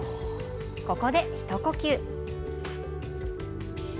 ここで、ひと呼吸。